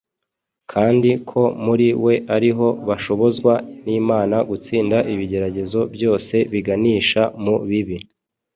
kandi ko muri we ariho bashobozwa n’Imana gutsinda ibigeragezo byose biganisha mu bibi.